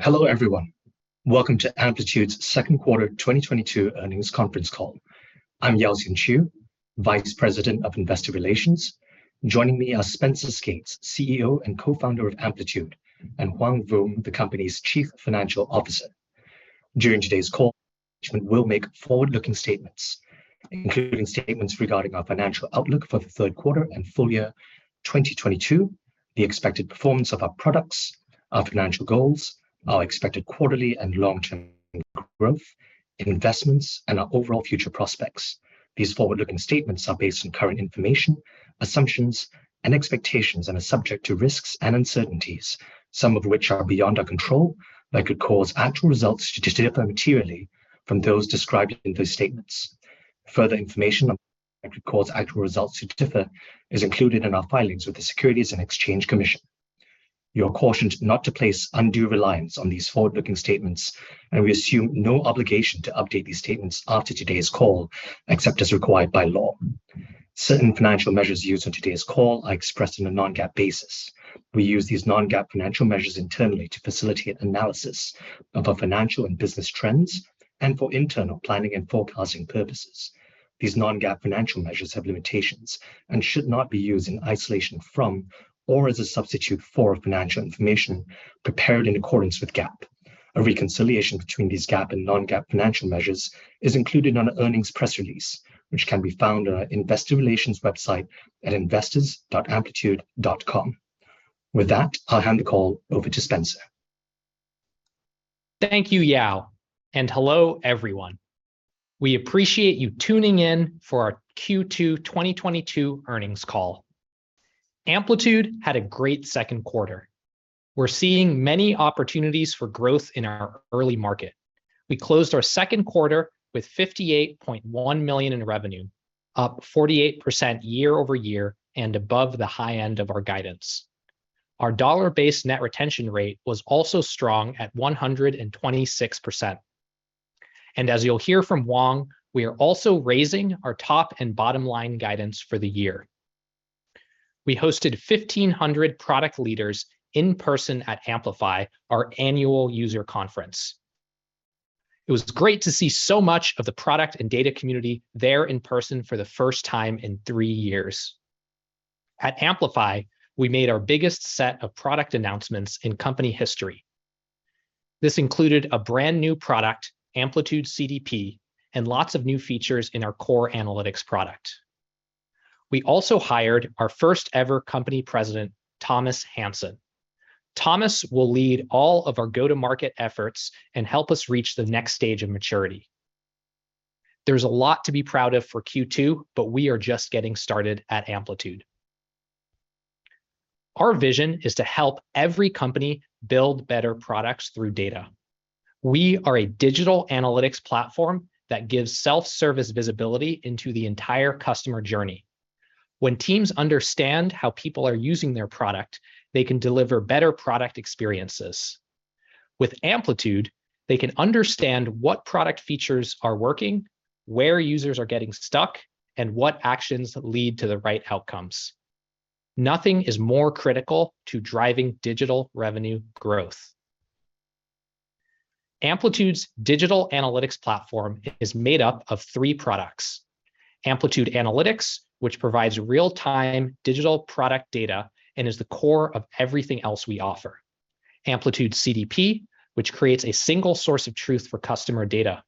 Hello everyone. Welcome to Amplitude's Q2 2022 earnings conference call. I'm Yaoxian Chew, Vice President of Investor Relations. Joining me are Spenser Skates, CEO and Co-founder of Amplitude, and Hoang Vuong, the company's Chief Financial Officer. During today's call, we'll make forward-looking statements, including statements regarding our financial outlook for the Q3 and full year 2022, the expected performance of our products, our financial goals, our expected quarterly and long-term growth, investments, and our overall future prospects. These forward-looking statements are based on current information, assumptions, and expectations, and are subject to risks and uncertainties, some of which are beyond our control, that could cause actual results to differ materially from those described in those statements. Further information on what could cause actual results to differ is included in our filings with the Securities and Exchange Commission. You are cautioned not to place undue reliance on these forward-looking statements, and we assume no obligation to update these statements after today's call, except as required by law. Certain financial measures used on today's call are expressed on a non-GAAP basis. We use these non-GAAP financial measures internally to facilitate analysis of our financial and business trends and for internal planning and forecasting purposes. These non-GAAP financial measures have limitations and should not be used in isolation from or as a substitute for financial information prepared in accordance with GAAP. A reconciliation between these GAAP and non-GAAP financial measures is included on our earnings press release, which can be found on our investor relations website at investors.amplitude.com. With that, I'll hand the call over to Spenser. Thank you, Yao, and hello everyone. We appreciate you tuning in for our Q2 2022 earnings call. Amplitude had a great Q2. We're seeing many opportunities for growth in our early market. We closed our Q2 with $58.1 million in revenue, up 48% year-over-year and above the high end of our guidance. Our dollar-based net retention rate was also strong at 126%. As you'll hear from Hoang, we are also raising our top and bottom line guidance for the year. We hosted 1,500 product leaders in person at Amplify, our annual user conference. It was great to see so much of the product and data community there in person for the first time in three years. At Amplify, we made our biggest set of product announcements in company history. This included a brand-new product, Amplitude CDP, and lots of new features in our core analytics product. We also hired our first ever company president, Thomas Hansen. Thomas will lead all of our go-to-market efforts and help us reach the next stage of maturity. There's a lot to be proud of for Q2, but we are just getting started at Amplitude. Our vision is to help every company build better products through data. We are a digital analytics platform that gives self-service visibility into the entire customer journey. When teams understand how people are using their product, they can deliver better product experiences. With Amplitude, they can understand what product features are working, where users are getting stuck, and what actions lead to the right outcomes. Nothing is more critical to driving digital revenue growth. Amplitude's digital analytics platform is made up of three products. Amplitude Analytics, which provides real-time digital product data and is the core of everything else we offer. Amplitude CDP, which creates a single source of truth for customer data.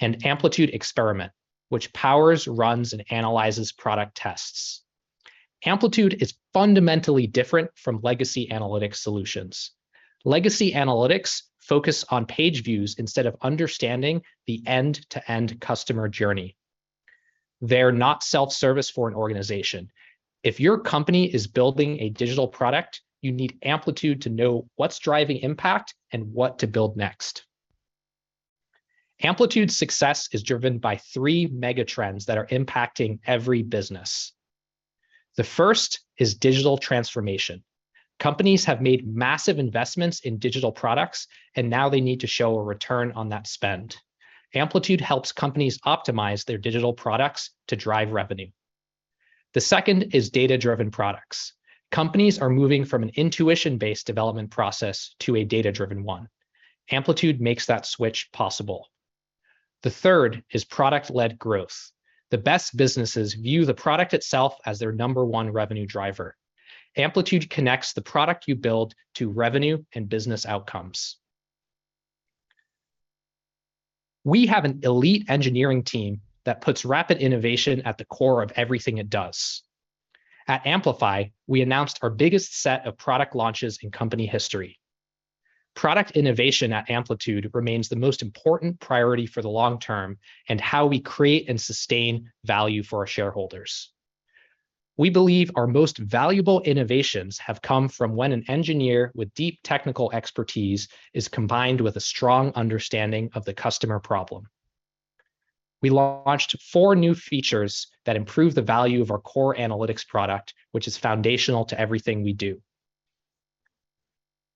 Amplitude Experiment, which powers, runs, and analyzes product tests. Amplitude is fundamentally different from legacy analytics solutions. Legacy analytics focus on page views instead of understanding the end-to-end customer journey. They're not self-service for an organization. If your company is building a digital product, you need Amplitude to know what's driving impact and what to build next. Amplitude's success is driven by three mega trends that are impacting every business. The first is digital transformation. Companies have made massive investments in digital products, and now they need to show a return on that spend. Amplitude helps companies optimize their digital products to drive revenue. The second is data-driven products. Companies are moving from an intuition-based development process to a data-driven one. Amplitude makes that switch possible. The third is product-led growth. The best businesses view the product itself as their number one revenue driver. Amplitude connects the product you build to revenue and business outcomes. We have an elite engineering team that puts rapid innovation at the core of everything it does. At Amplify, we announced our biggest set of product launches in company history. Product innovation at Amplitude remains the most important priority for the long term and how we create and sustain value for our shareholders. We believe our most valuable innovations have come from when an engineer with deep technical expertise is combined with a strong understanding of the customer problem. We launched four new features that improve the value of our core analytics product, which is foundational to everything we do.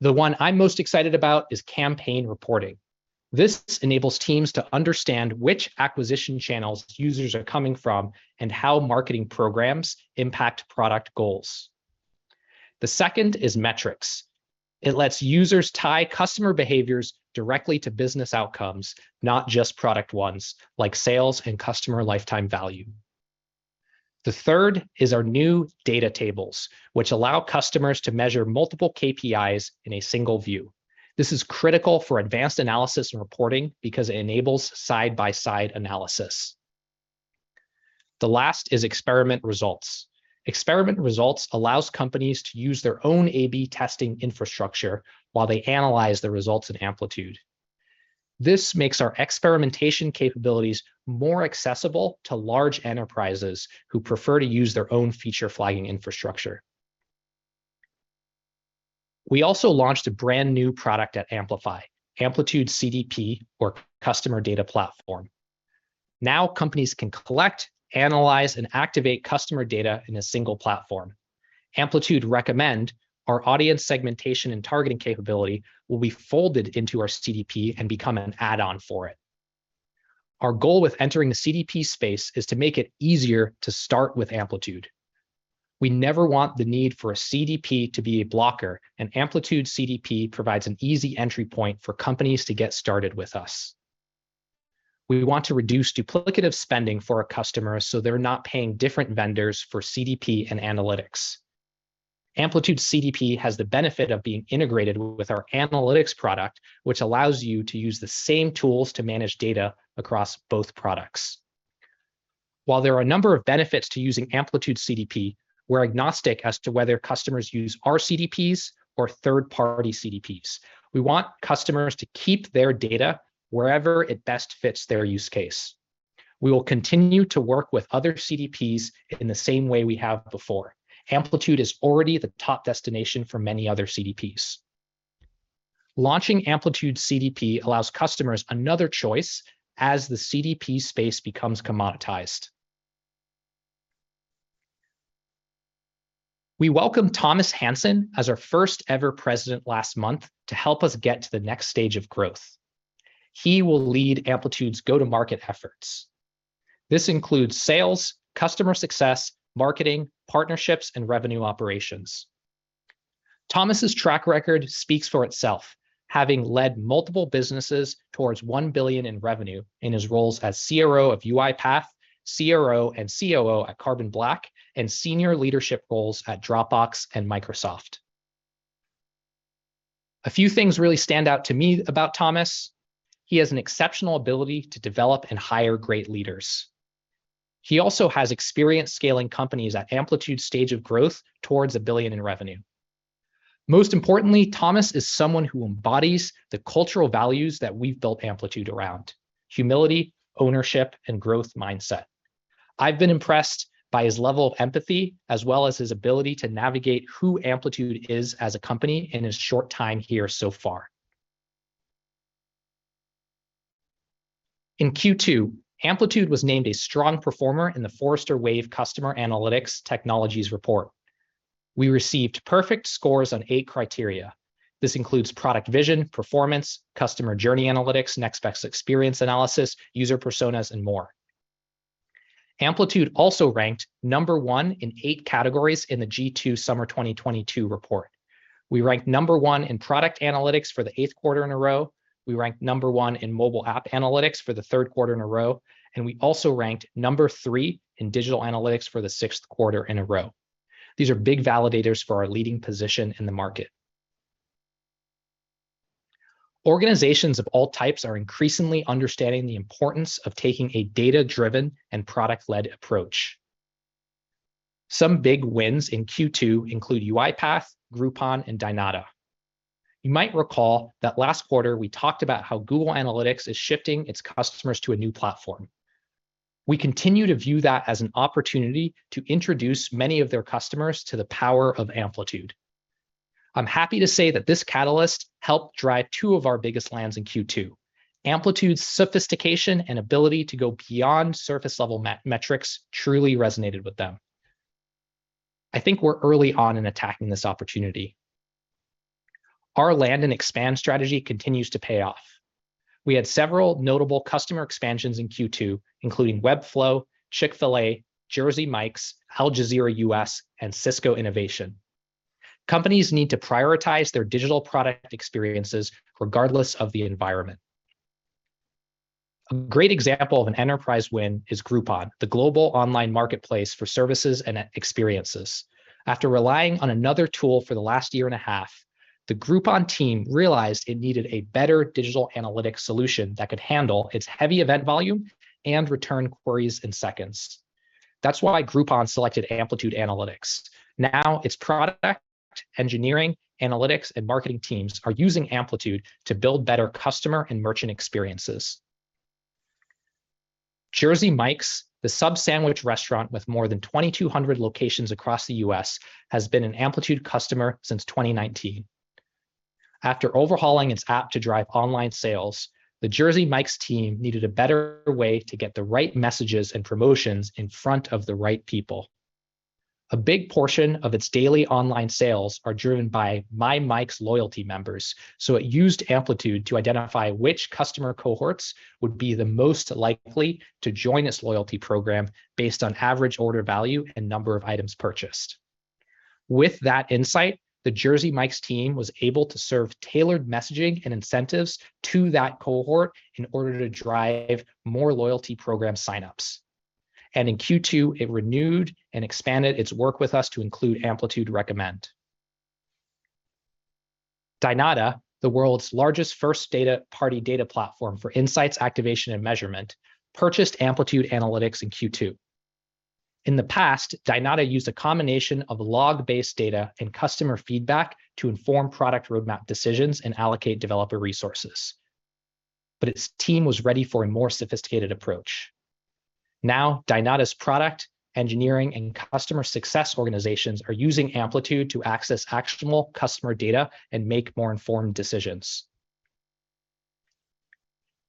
The one I'm most excited about is Campaign Reporting. This enables teams to understand which acquisition channels users are coming from and how marketing programs impact product goals. The second is Metrics. It lets users tie customer behaviors directly to business outcomes, not just product ones like sales and customer lifetime value. The third is our new Data Tables, which allow customers to measure multiple KPIs in a single view. This is critical for advanced analysis and reporting because it enables side-by-side analysis. The last is Experiment Results. Experiment Results allows companies to use their own A/B testing infrastructure while they analyze the results in Amplitude. This makes our experimentation capabilities more accessible to large enterprises who prefer to use their own feature flagging infrastructure. We also launched a brand-new product at Amplify, Amplitude CDP or Customer Data Platform. Now companies can collect, analyze, and activate customer data in a single platform. Amplitude Recommend, our audience segmentation and targeting capability, will be folded into our CDP and become an add-on for it. Our goal with entering the CDP space is to make it easier to start with Amplitude. We never want the need for a CDP to be a blocker, and Amplitude CDP provides an easy entry point for companies to get started with us. We want to reduce duplicative spending for our customers, so they're not paying different vendors for CDP and analytics. Amplitude CDP has the benefit of being integrated with our analytics product, which allows you to use the same tools to manage data across both products. While there are a number of benefits to using Amplitude CDP, we're agnostic as to whether customers use our CDPs or third-party CDPs. We want customers to keep their data wherever it best fits their use case. We will continue to work with other CDPs in the same way we have before. Amplitude is already the top destination for many other CDPs. Launching Amplitude CDP allows customers another choice as the CDP space becomes commoditized. We welcomed Thomas Hansen as our first ever president last month to help us get to the next stage of growth. He will lead Amplitude's go-to-market efforts. This includes sales, customer success, marketing, partnerships, and revenue operations. Thomas's track record speaks for itself, having led multiple businesses towards 1 billion in revenue in his roles as CRO of UiPath, CRO and COO at Carbon Black, and senior leadership roles at Dropbox and Microsoft. A few things really stand out to me about Thomas. He has an exceptional ability to develop and hire great leaders. He also has experience scaling companies at Amplitude stage of growth towards a billion in revenue. Most importantly, Thomas is someone who embodies the cultural values that we've built Amplitude around, humility, ownership, and growth mindset. I've been impressed by his level of empathy as well as his ability to navigate what Amplitude is as a company in his short time here so far. In Q2, Amplitude was named a strong performer in the Forrester Wave Customer Analytics Technologies report. We received perfect scores on eight criteria. This includes product vision, performance, customer journey analytics, next best experience analysis, user personas, and more. Amplitude also ranked number one in eight categories in the G2 Summer 2022 report. We ranked number one in product analytics for the Q8 in a row. We ranked number 1 in mobile app analytics for the Q3 in a row, and we also ranked number 3 in digital analytics for the Q6 in a row. These are big validators for our leading position in the market. Organizations of all types are increasingly understanding the importance of taking a data-driven and product-led approach. Some big wins in Q2 include UiPath, Groupon, and Dynata. You might recall that last quarter we talked about how Google Analytics is shifting its customers to a new platform. We continue to view that as an opportunity to introduce many of their customers to the power of Amplitude. I'm happy to say that this catalyst helped drive 2 of our biggest lands in Q2. Amplitude's sophistication and ability to go beyond surface-level metrics truly resonated with them. I think we're early on in attacking this opportunity. Our land and expand strategy continues to pay off. We had several notable customer expansions in Q2, including Webflow, Chick-fil-A, Jersey Mike's, Al Jazeera U.S., and Cisco. Companies need to prioritize their digital product experiences regardless of the environment. A great example of an enterprise win is Groupon, the global online marketplace for services and e-experiences. After relying on another tool for the last year and a half, the Groupon team realized it needed a better digital analytics solution that could handle its heavy event volume and return queries in seconds. That's why Groupon selected Amplitude Analytics. Now, its product, engineering, analytics, and marketing teams are using Amplitude to build better customer and merchant experiences. Jersey Mike's, the sub sandwich restaurant with more than 2,200 locations across the U.S., has been an Amplitude customer since 2019. After overhauling its app to drive online sales, the Jersey Mike's team needed a better way to get the right messages and promotions in front of the right people. A big portion of its daily online sales are driven by MyMike's loyalty members, so it used Amplitude to identify which customer cohorts would be the most likely to join its loyalty program based on average order value and number of items purchased. With that insight, the Jersey Mike's team was able to serve tailored messaging and incentives to that cohort in order to drive more loyalty program signups. In Q2, it renewed and expanded its work with us to include Amplitude Recommend. Dynata, the world's largest first-party data platform for insights, activation, and measurement, purchased Amplitude Analytics in Q2. In the past, Dynata used a combination of log-based data and customer feedback to inform product roadmap decisions and allocate developer resources. Its team was ready for a more sophisticated approach. Now, Dynata's product engineering and customer success organizations are using Amplitude to access actionable customer data and make more informed decisions.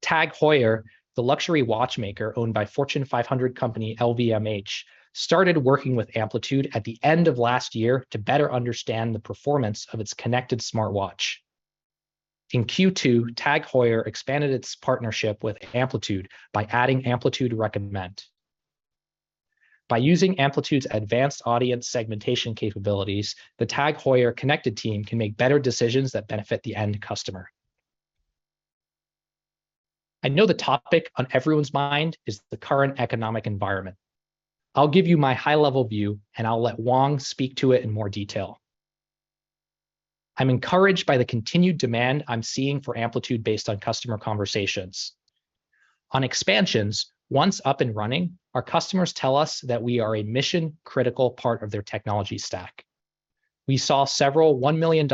TAG Heuer, the luxury watchmaker owned by Fortune 500 company LVMH, started working with Amplitude at the end of last year to better understand the performance of its connected smartwatch. In Q2, TAG Heuer expanded its partnership with Amplitude by adding Amplitude Recommend. By using Amplitude's advanced audience segmentation capabilities, the TAG Heuer connected team can make better decisions that benefit the end customer. I know the topic on everyone's mind is the current economic environment. I'll give you my high-level view, and I'll let Vuong speak to it in more detail. I'm encouraged by the continued demand I'm seeing for Amplitude based on customer conversations. On expansions, once up and running, our customers tell us that we are a mission-critical part of their technology stack. We saw several $1 million+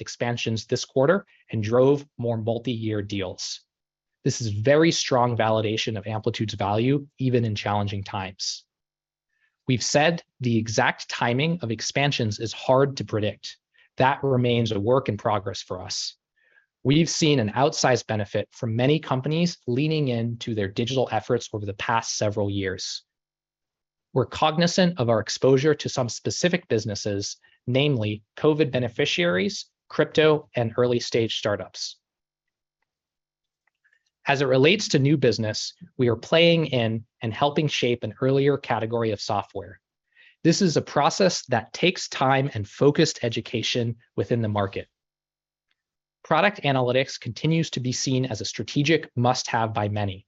expansions this quarter and drove more multi-year deals. This is very strong validation of Amplitude's value even in challenging times. We've said the exact timing of expansions is hard to predict. That remains a work in progress for us. We've seen an outsized benefit from many companies leaning into their digital efforts over the past several years. We're cognizant of our exposure to some specific businesses, namely COVID beneficiaries, crypto, and early-stage startups. As it relates to new business, we are playing in and helping shape an earlier category of software. This is a process that takes time and focused education within the market. Product analytics continues to be seen as a strategic must-have by many.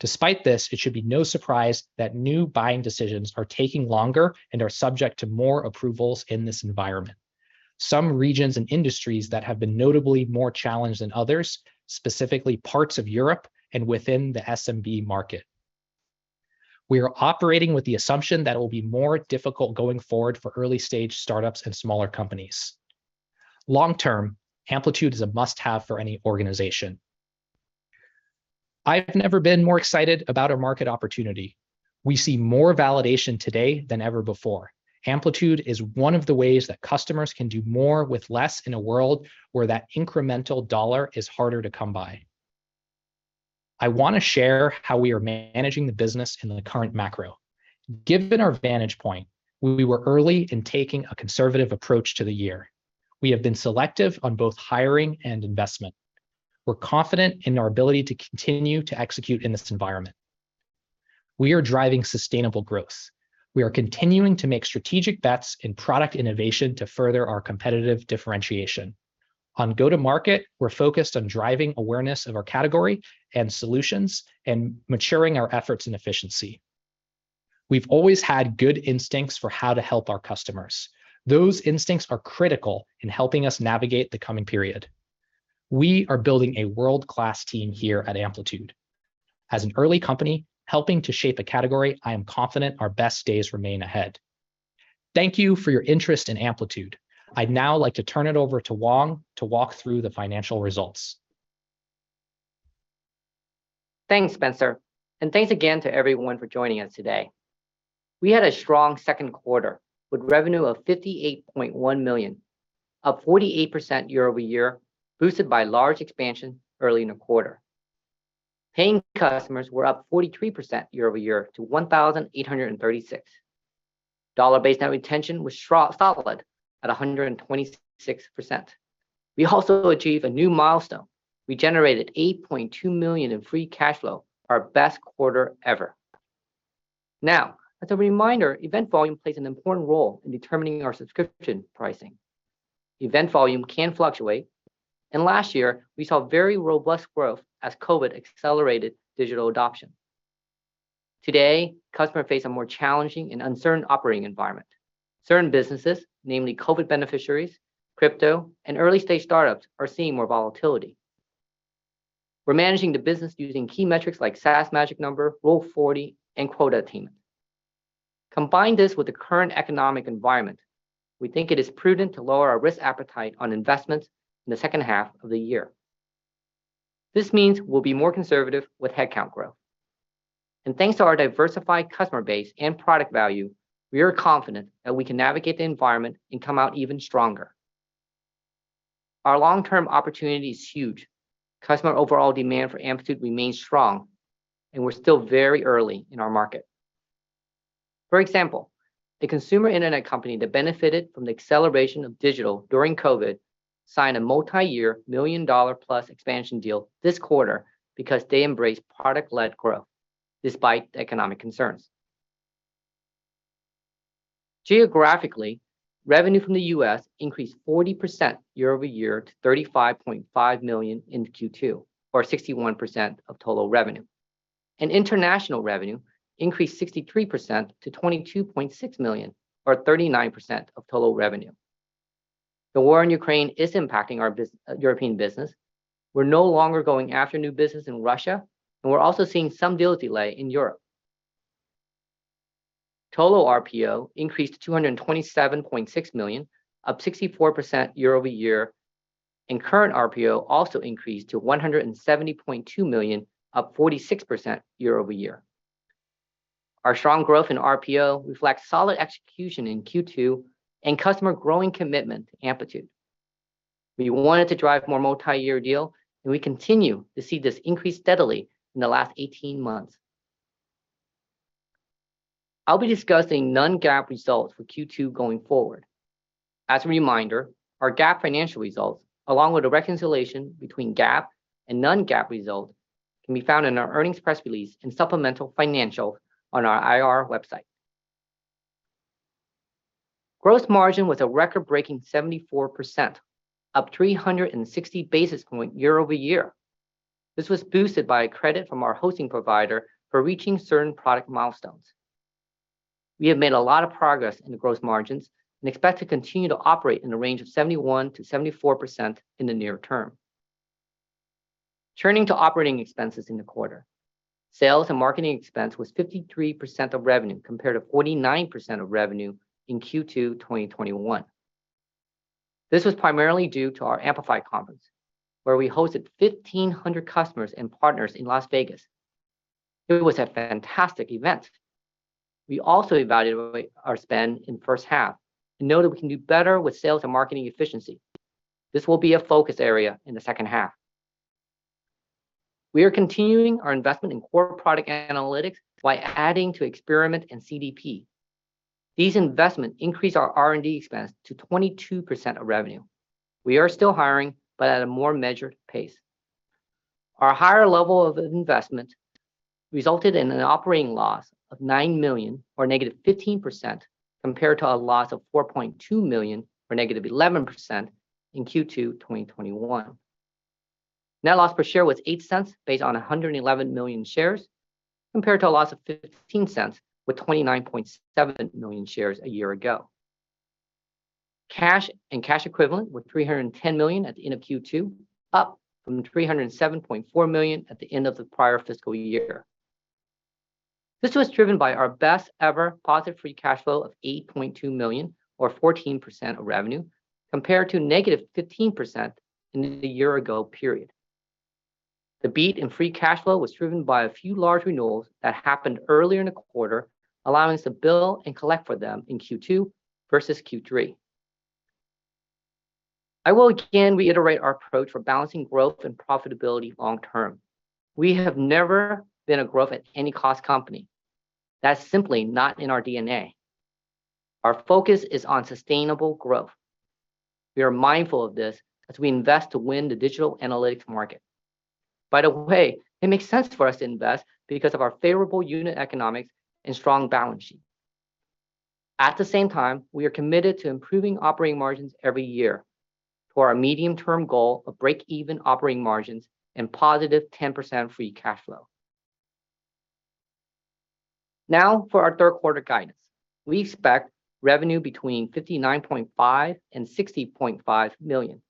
Despite this, it should be no surprise that new buying decisions are taking longer and are subject to more approvals in this environment. Some regions and industries that have been notably more challenged than others, specifically parts of Europe and within the SMB market. We are operating with the assumption that it will be more difficult going forward for early-stage startups and smaller companies. Long term, Amplitude is a must-have for any organization. I've never been more excited about a market opportunity. We see more validation today than ever before. Amplitude is one of the ways that customers can do more with less in a world where that incremental dollar is harder to come by. I want to share how we are managing the business in the current macro. Given our vantage point, we were early in taking a conservative approach to the year. We have been selective on both hiring and investment. We're confident in our ability to continue to execute in this environment. We are driving sustainable growth. We are continuing to make strategic bets in product innovation to further our competitive differentiation. On go-to-market, we're focused on driving awareness of our category and solutions and maturing our efforts and efficiency. We've always had good instincts for how to help our customers. Those instincts are critical in helping us navigate the coming period. We are building a world-class team here at Amplitude. As an early company helping to shape a category, I am confident our best days remain ahead. Thank you for your interest in Amplitude. I'd now like to turn it over to Vuong to walk through the financial results. Thanks, Spencer. Thanks again to everyone for joining us today. We had a strong Q2 with revenue of $58.1 million, up 48% year-over-year, boosted by large expansion early in the quarter. Paying customers were up 43% year-over-year to 1,836. Dollar-based net retention was strong, solid at 126%. We also achieve a new milestone. We generated $8.2 million in free cash flow, our best quarter ever. Now, as a reminder, event volume plays an important role in determining our subscription pricing. Event volume can fluctuate, and last year, we saw very robust growth as COVID accelerated digital adoption. Today, customers face a more challenging and uncertain operating environment. Certain businesses, namely COVID beneficiaries, crypto, and early-stage startups, are seeing more volatility. We're managing the business using key metrics like SaaS magic number, Rule of 40, and quota attainment. Combine this with the current economic environment. We think it is prudent to lower our risk appetite on investments in the second half of the year. This means we'll be more conservative with headcount growth. Thanks to our diversified customer base and product value, we are confident that we can navigate the environment and come out even stronger. Our long-term opportunity is huge. Customer overall demand for Amplitude remains strong, and we're still very early in our market. For example, the consumer Internet company that benefited from the acceleration of digital during COVID signed a multi-year million-dollar plus expansion deal this quarter because they embrace product-led growth despite economic concerns. Geographically, revenue from the U.S. increased 40% year-over-year to $35.5 million in Q2, or 61% of total revenue. International revenue increased 63% to $22.6 million, or 39% of total revenue. The war in Ukraine is impacting our European business. We're no longer going after new business in Russia, and we're also seeing some deal delays in Europe. Total RPO increased to $227.6 million, up 64% year-over-year. Current RPO also increased to $170.2 million, up 46% year-over-year. Our strong growth in RPO reflects solid execution in Q2 and customers' growing commitment to Amplitude. We wanted to drive more multi-year deals, and we continue to see this increase steadily in the last 18 months. I'll be discussing non-GAAP results for Q2 going forward. As a reminder, our GAAP financial results, along with a reconciliation between GAAP and non-GAAP results, can be found in our earnings press release and supplemental financials on our IR website. Gross margin was a record-breaking 74%, up 360 basis points year-over-year. This was boosted by a credit from our hosting provider for reaching certain product milestones. We have made a lot of progress in the gross margins and expect to continue to operate in the range of 71%-74% in the near term. Turning to operating expenses in the quarter. Sales and marketing expense was 53% of revenue compared to 49% of revenue in Q2 2021. This was primarily due to our Amplify conference, where we hosted 1,500 customers and partners in Las Vegas. It was a fantastic event. We also evaluated our spend in first half and know that we can do better with sales and marketing efficiency. This will be a focus area in the second half. We are continuing our investment in core product analytics by adding to Experiment and CDP. These investments increase our R&D expense to 22% of revenue. We are still hiring, but at a more measured pace. Our higher level of investment resulted in an operating loss of $9 million or -15% compared to a loss of $4.2 million or -11% in Q2 2021. Net loss per share was $0.08 based on 111 million shares compared to a loss of $0.15 with 29.7 million shares a year ago. Cash and cash equivalents were $310 million at the end of Q2, up from $307.4 million at the end of the prior fiscal year. This was driven by our best ever positive free cash flow of $8.2 million or 14% of revenue compared to -15% in the year ago period. The beat in free cash flow was driven by a few large renewals that happened earlier in the quarter, allowing us to bill and collect for them in Q2 versus Q3. I will again reiterate our approach for balancing growth and profitability long term. We have never been a growth at any cost company. That's simply not in our DNA. Our focus is on sustainable growth. We are mindful of this as we invest to win the digital analytics market. By the way, it makes sense for us to invest because of our favorable unit economics and strong balance sheet. At the same time, we are committed to improving operating margins every year for our medium-term goal of break-even operating margins and positive 10% free cash flow. Now for our third quarter guidance. We expect revenue between $59.5 million and $60.5 million,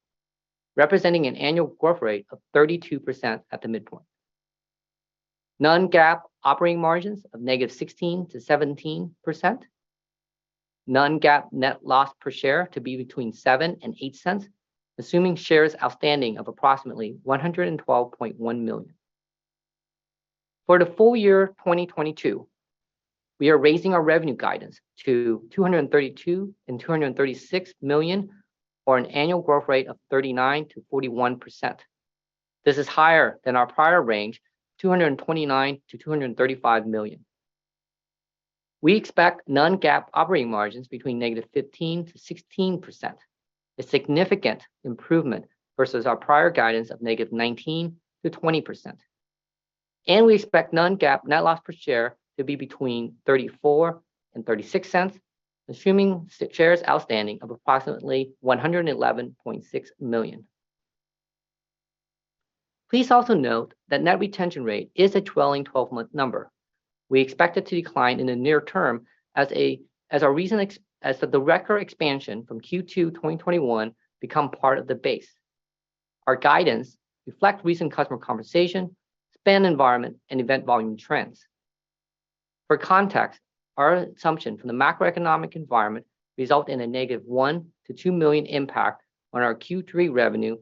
representing an annual growth rate of 32% at the midpoint. Non-GAAP operating margins of negative 16%-17%. Non-GAAP net loss per share to be between $0.07 and $0.08, assuming shares outstanding of approximately 112.1 million. For the full year 2022, we are raising our revenue guidance to $232 million and $236 million or an annual growth rate of 39%-41%. This is higher than our prior range, $229 million-$235 million. We expect non-GAAP operating margins between -15% to -16%, a significant improvement versus our prior guidance of -19% to -20%. We expect non-GAAP net loss per share to be between $0.34 and $0.36, assuming shares outstanding of approximately 111.6 million. Please also note that net retention rate is a trailing twelve-month number. We expect it to decline in the near term as the record expansion from Q2 2021 become part of the base. Our guidance reflect recent customer conversations, spending environment, and event volume trends. For context, our assumption from the macroeconomic environment results in a negative $1 million-$2 million impact on our Q3 revenue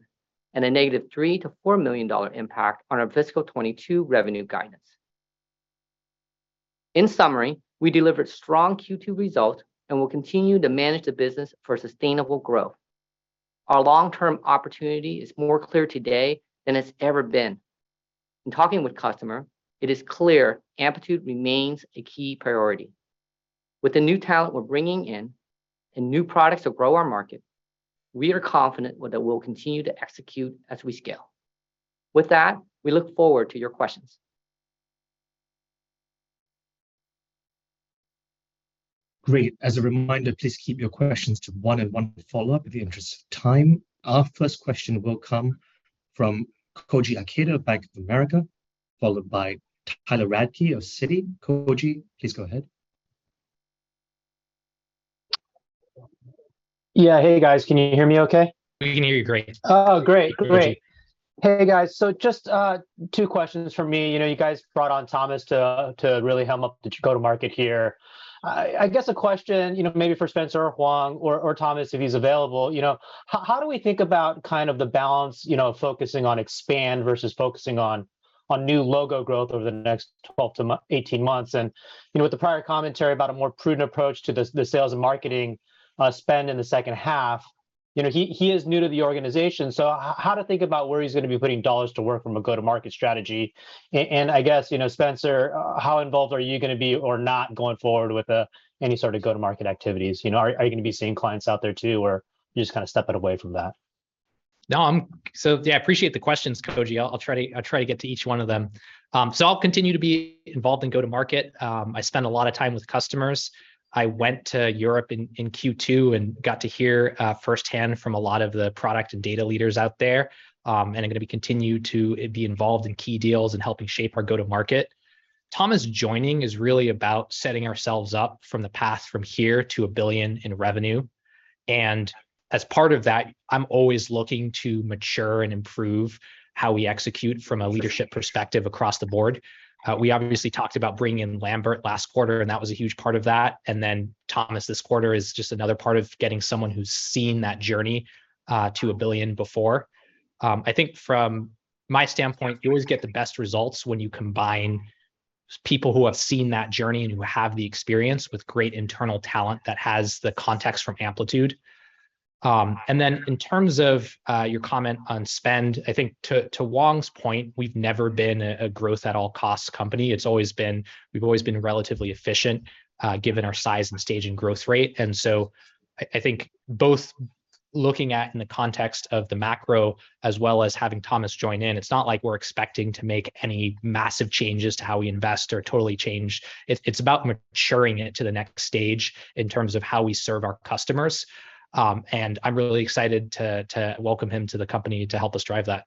and a negative $3 million-$4 million impact on our fiscal 2022 revenue guidance. In summary, we delivered strong Q2 results and will continue to manage the business for sustainable growth. Our long-term opportunity is more clear today than it's ever been. In talking with customers, it is clear Amplitude remains a key priority. With the new talent we're bringing in and new products that grow our market, we are confident that we'll continue to execute as we scale. With that, we look forward to your questions. Great. As a reminder, please keep your questions to one and one follow-up in the interest of time. Our first question will come from Koji Ikeda, Bank of America, followed by Tyler Radke of Citi. Koji, please go ahead. Yeah. Hey, guys. Can you hear me okay? We can hear you great. Oh, great. Great. Koji. Hey, guys. Just two questions from me. You know, you guys brought on Thomas to really help with the go-to-market here. I guess a question, you know, maybe for Spenser or Hoang or Thomas, if he's available, you know, how do we think about kind of the balance, you know, focusing on expand versus focusing on new logo growth over the next 12 to 18 months? You know, with the prior commentary about a more prudent approach to the sales and marketing spend in the second half, you know, he is new to the organization, so how to think about where he's gonna be putting dollars to work from a go-to-market strategy? I guess, you know, Spenser, how involved are you gonna be or not going forward with any sort of go-to-market activities? You know, are you gonna be seeing clients out there too, or you just kinda stepping away from that? Yeah, I appreciate the questions, Koji. I'll try to get to each one of them. I'll continue to be involved in go-to-market. I spend a lot of time with customers. I went to Europe in Q2 and got to hear firsthand from a lot of the product and data leaders out there, and I'm gonna continue to be involved in key deals and helping shape our go-to-market. Thomas joining is really about setting ourselves up for the path from here to a billion in revenue. As part of that, I'm always looking to mature and improve how we execute from a leadership perspective across the board. We obviously talked about bringing in Lambert last quarter, and that was a huge part of that. Thomas, this quarter is just another part of getting someone who's seen that journey to a billion before. I think from my standpoint, you always get the best results when you combine people who have seen that journey and who have the experience with great internal talent that has the context from Amplitude. In terms of your comment on spend, I think to Hoang's point, we've never been a growth at all costs company. It's always been, we've always been relatively efficient given our size and stage and growth rate. I think both looking at it in the context of the macro as well as having Thomas join in, it's not like we're expecting to make any massive changes to how we invest or totally change. It's about maturing it to the next stage in terms of how we serve our customers. I'm really excited to welcome him to the company to help us drive that.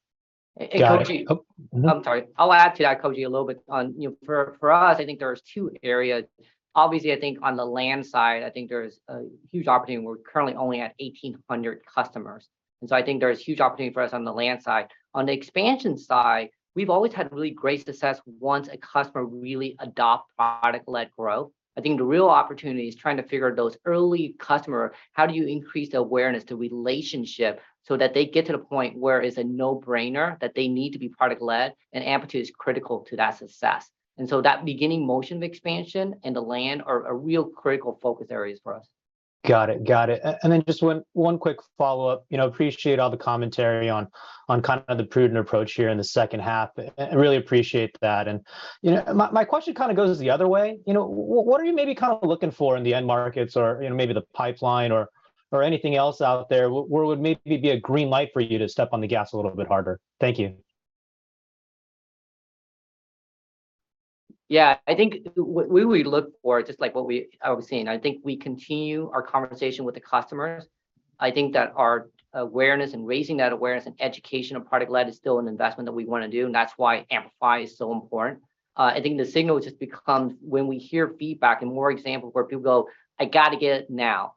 Koji Got it. Mm-hmm. I'm sorry. I'll add to that, Koji, a little bit on, you know, for us, I think there's two area. Obviously, I think on the land side, I think there's a huge opportunity, and we're currently only at 1,800 customers. I think there's huge opportunity for us on the land side. On the expansion side, we've always had really great success once a customer really adopt product-led growth. I think the real opportunity is trying to figure those early customer, how do you increase the awareness, the relationship, so that they get to the point where it's a no-brainer that they need to be product-led, and Amplitude is critical to that success. That beginning motion of expansion and the land are a real critical focus areas for us. Got it. Got it. Then just one quick follow-up. You know, I appreciate all the commentary on kind of the prudent approach here in the second half. I really appreciate that. You know, my question kinda goes the other way. You know, what are you maybe kind of looking for in the end markets or, you know, maybe the pipeline or anything else out there where would maybe be a green light for you to step on the gas a little bit harder? Thank you. Yeah. I think what we look for, just like what we are seeing, I think we continue our conversation with the customers. I think that our awareness and raising that awareness and education of product-led is still an investment that we wanna do, and that's why Amplify is so important. I think the signal just becomes when we hear feedback and more example where people go, "I gotta get it now.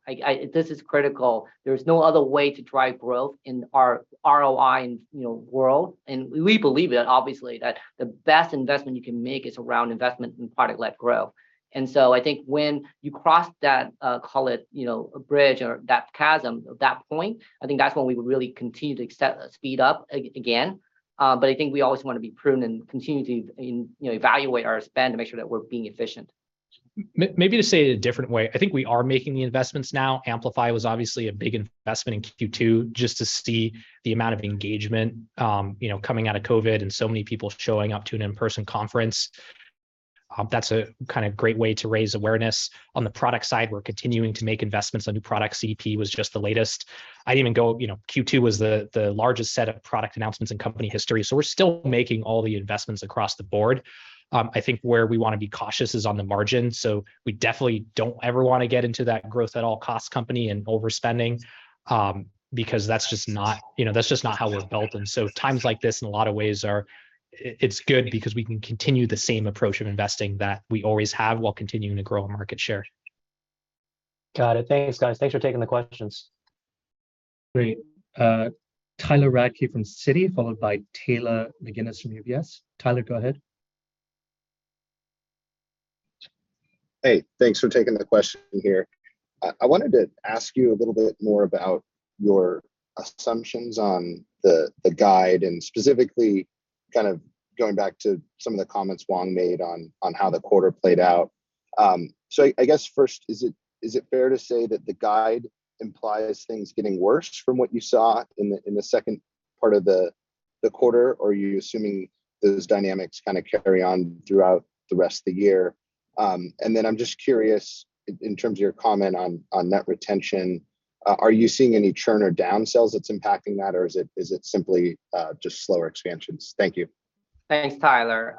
This is critical. There's no other way to drive growth in our ROI and, you know, world." We believe it, obviously, that the best investment you can make is around investment in product-led growth. I think when you cross that, call it, you know, a bridge or that chasm at that point, I think that's when we would really continue to speed up again. I think we always wanna be prudent and continue to, you know, evaluate our spend to make sure that we're being efficient. Maybe to say it a different way, I think we are making the investments now. Amplify was obviously a big investment in Q2, just to see the amount of engagement, you know, coming out of COVID and so many people showing up to an in-person conference. That's a kinda great way to raise awareness. On the product side, we're continuing to make investments on new products. CDP was just the latest. I'd even go, you know, Q2 was the largest set of product announcements in company history, so we're still making all the investments across the board. I think where we wanna be cautious is on the margin. We definitely don't ever wanna get into that growth at all costs company and overspending, because that's just not, you know, that's just not how we're built. Times like this, in a lot of ways, it's good because we can continue the same approach of investing that we always have while continuing to grow our market share. Got it. Thanks, guys. Thanks for taking the questions. Great. Tyler Radke from Citi, followed by Taylor McGinnis from UBS. Tyler, go ahead. Hey, thanks for taking the question here. I wanted to ask you a little bit more about your assumptions on the guide, and specifically kind of going back to some of the comments Hoang Vuong made on how the quarter played out. I guess first, is it fair to say that the guide implies things getting worse from what you saw in the second part of the quarter? Or are you assuming those dynamics kind of carry on throughout the rest of the year? I'm just curious in terms of your comment on net retention, are you seeing any churn or down sells that's impacting that or is it simply just slower expansions? Thank you. Thanks, Tyler.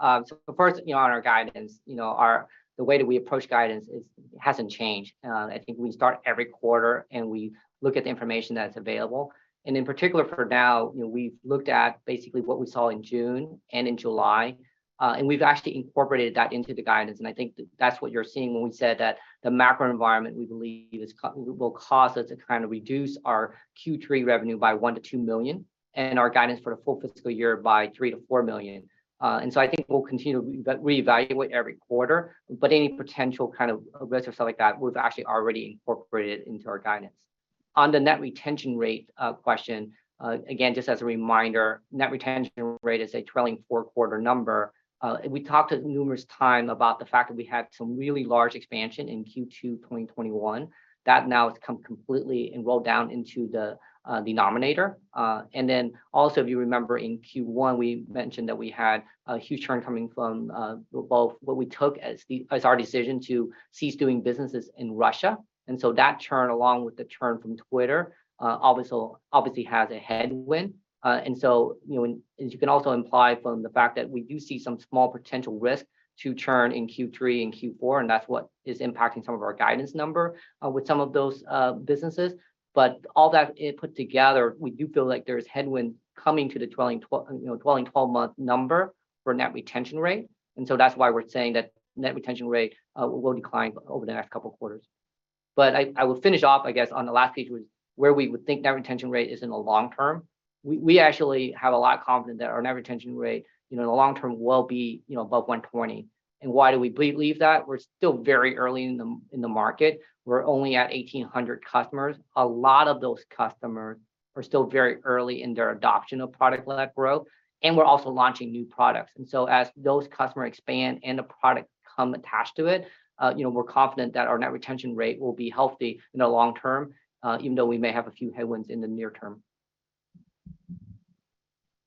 First, you know, on our guidance, you know, our. The way that we approach guidance is, hasn't changed. I think we start every quarter, and we look at the information that's available, and in particular for now, you know, we've looked at basically what we saw in June and in July, and we've actually incorporated that into the guidance. I think that that's what you're seeing when we said that the macro environment, we believe, will cause us to kind of reduce our Q3 revenue by $1 million-$2 million and our guidance for the full fiscal year by $3 million-$4 million. I think we'll continue reevaluate every quarter, but any potential kind of risks or stuff like that we've actually already incorporated into our guidance. On the net retention rate question, again, just as a reminder, net retention rate is a trailing four-quarter number. We talked numerous times about the fact that we had some really large expansion in Q2 2021. That now has come completely and rolled down into the denominator. Then also if you remember in Q1, we mentioned that we had a huge churn coming from both what we took as our decision to cease doing business in Russia, and so that churn along with the churn from Twitter obviously has a headwind. You know, you can also imply from the fact that we do see some small potential risk to churn in Q3 and Q4, and that's what is impacting some of our guidance numbers with some of those businesses. All that put together, we do feel like there's headwind coming to the trailing 12-month number for net retention rate, and so that's why we're saying that net retention rate will decline over the next couple of quarters. I will finish off, I guess, on the last page, which is where we would think net retention rate is in the long term. We actually have a lot of confidence that our net retention rate, you know, in the long term will be, you know, above 120. And why do we believe that? We're still very early in the market. We're only at 1,800 customers. A lot of those customers are still very early in their adoption of product-led growth, and we're also launching new products. As those customers expand and the products come attached to it, you know, we're confident that our net retention rate will be healthy in the long term, even though we may have a few headwinds in the near term.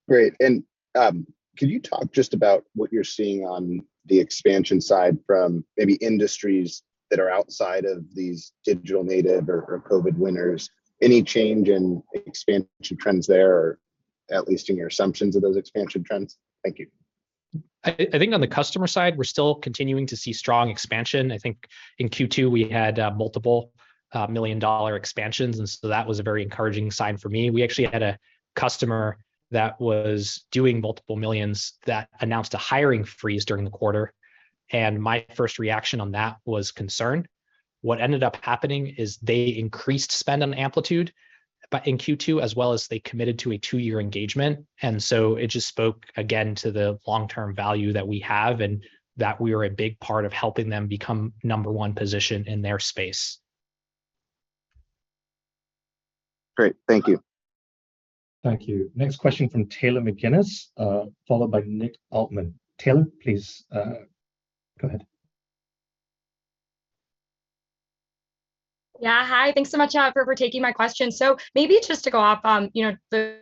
Great. Could you talk just about what you're seeing on the expansion side from maybe industries that are outside of these digital native or COVID winners? Any change in expansion trends there or at least in your assumptions of those expansion trends? Thank you. I think on the customer side, we're still continuing to see strong expansion. I think in Q2 we had multiple million-dollar expansions, and that was a very encouraging sign for me. We actually had a customer that was doing multiple millions that announced a hiring freeze during the quarter, and my first reaction on that was concern. What ended up happening is they increased spend on Amplitude, but in Q2, as well as they committed to a two-year engagement. It just spoke again to the long-term value that we have and that we are a big part of helping them become number one position in their space. Great. Thank you. Thank you. Next question from Taylor McGinnis, followed by Nick Altmann. Taylor, please, go ahead. Yeah. Hi, thanks so much for taking my question. Maybe just to go off on, you know, the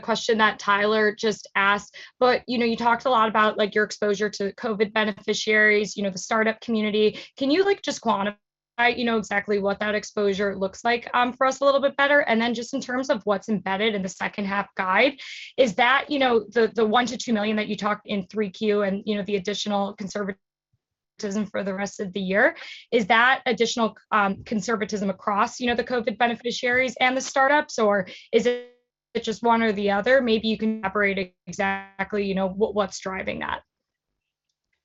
question that Tyler just asked, but, you know, you talked a lot about, like, your exposure to COVID beneficiaries, you know, the startup community. Can you, like, just quantify, you know, exactly what that exposure looks like for us a little bit better? And then just in terms of what's embedded in the second half guide, is that, you know, the $1 million-$2 million that you talked in 3Q and, you know, the additional conservatism for the rest of the year, is that additional conservatism across, you know, the COVID beneficiaries and the startups, or is it just one or the other? Maybe you can elaborate exactly, you know, what's driving that.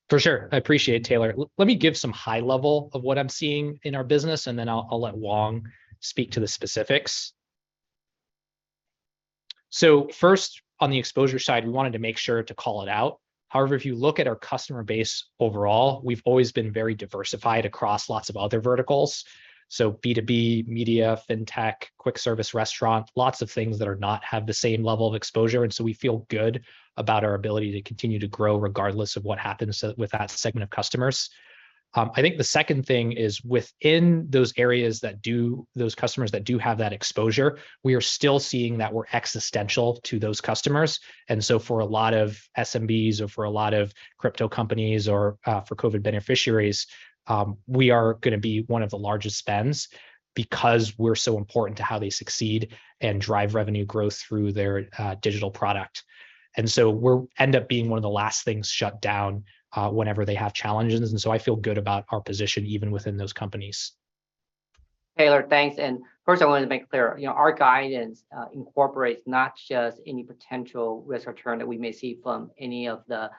For sure. I appreciate it, Taylor. Let me give some high level of what I'm seeing in our business, and then I'll let Hoang Vuong speak to the specifics. First, on the exposure side, we wanted to make sure to call it out. However, if you look at our customer base overall, we've always been very diversified across lots of other verticals. B2B, media, fintech, quick service restaurant, lots of things that do not have the same level of exposure, and so we feel good about our ability to continue to grow regardless of what happens with that segment of customers. I think the second thing is within those areas that do, those customers that do have that exposure, we are still seeing that we're essential to those customers. For a lot of SMBs or for a lot of crypto companies or for COVID beneficiaries, we are gonna be one of the largest spends because we're so important to how they succeed and drive revenue growth through their digital product. We'll end up being one of the last things shut down whenever they have challenges, and so I feel good about our position even within those companies. Taylor, thanks. First I wanted to make clear, you know, our guidance incorporates not just any potential risk or churn that we may see from any of the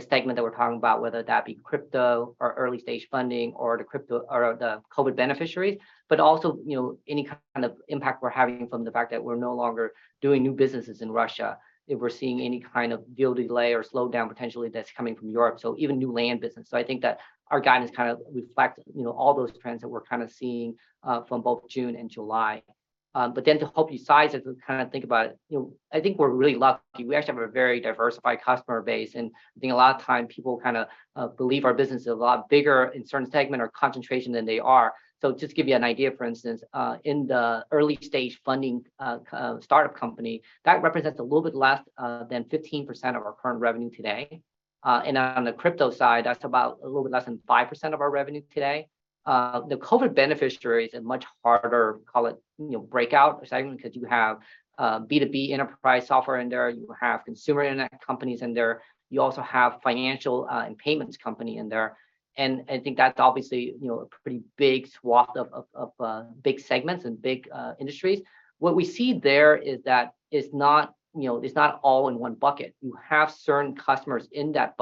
segment that we're talking about, whether that be crypto or early-stage funding or the crypto or the COVID beneficiaries, but also, you know, any kind of impact we're having from the fact that we're no longer doing new businesses in Russia, if we're seeing any kind of deal delay or slowdown potentially that's coming from Europe. Even new land business. I think that our guidance kind of reflect, you know, all those trends that we're kind of seeing from both June and July. To help you size it and kind of think about, you know, I think we're really lucky. We actually have a very diversified customer base. I think a lot of time people kinda believe our business is a lot bigger in certain segment or concentration than they are. Just give you an idea, for instance, in the early stage funding, startup company, that represents a little bit less than 15% of our current revenue today. On the crypto side, that's about a little bit less than 5% of our revenue today. The COVID beneficiary is a much harder, call it, you know, breakout segment because you have B2B enterprise software in there, you have consumer internet companies in there, you also have financial and payments company in there. I think that's obviously, you know, a pretty big swath of of big segments and big industries. What we see there is that it's not, you know, it's not all in one bucket. You have certain customers in that,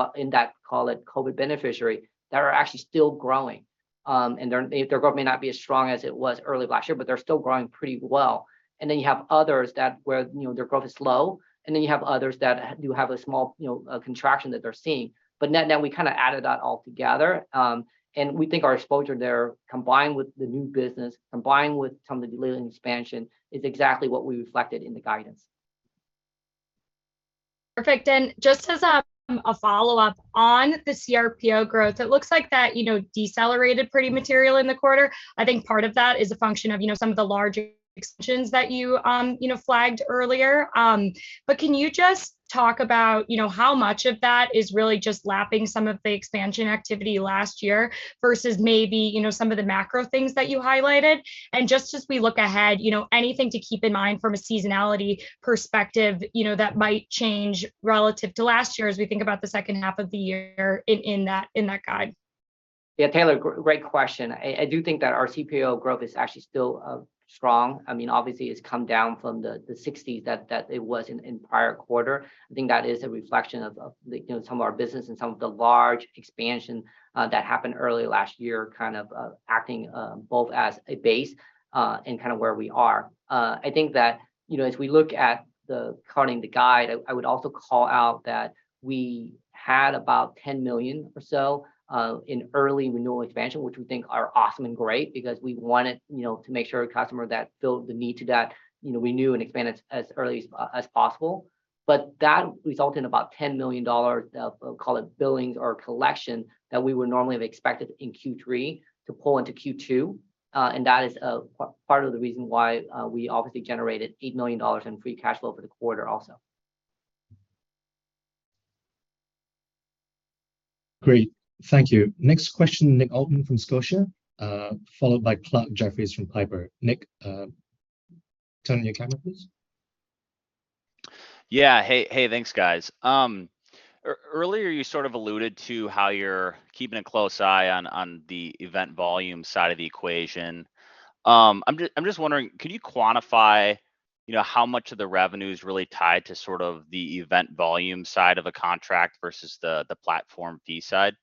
call it COVID beneficiary, that are actually still growing. Their growth may not be as strong as it was early last year, but they're still growing pretty well. You have others that where, you know, their growth is slow, and then you have others that do have a small, you know, contraction that they're seeing. Net net, we kinda added that all together, and we think our exposure there combined with the new business, combined with some of the delayed expansion, is exactly what we reflected in the guidance. Perfect. Just as a follow-up on the CRPO growth, it looks like that you know decelerated pretty materially in the quarter. I think part of that is a function of you know some of the larger extensions that you you know flagged earlier. Can you just talk about you know how much of that is really just lapping some of the expansion activity last year versus maybe you know some of the macro things that you highlighted? Just as we look ahead you know anything to keep in mind from a seasonality perspective you know that might change relative to last year as we think about the second half of the year in that guide? Taylor, great question. I do think that our CPO growth is actually still strong. I mean, obviously it's come down from the 60s that it was in prior quarter. I think that is a reflection of you know some of our business and some of the large expansion that happened early last year, kind of acting both as a base and kind of where we are. I think that you know as we look at counting the guide, I would also call out that we had about $10 million or so in early renewal expansion, which we think are awesome and great because we wanted you know to make sure a customer that felt the need to you know renew and expand as early as possible. That resulted in about $10 million of, call it, billings or collection that we would normally have expected in Q3 to pull into Q2. That is part of the reason why we obviously generated $8 million in free cash flow for the quarter also. Great. Thank you. Next question, Nick Altmann from Scotiabank, followed by Clarke Jeffries from Piper Sandler. Nick, turn on your camera, please. Yeah. Hey, hey, thanks guys. Earlier you sort of alluded to how you're keeping a close eye on the event volume side of the equation. I'm just wondering, could you quantify, you know, how much of the revenue is really tied to sort of the event volume side of a contract versus the platform fee side?